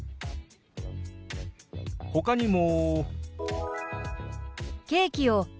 ほかにも。